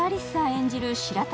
演じる白玉